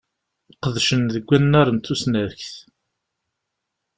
Qedcen deg unnar n tusnakt.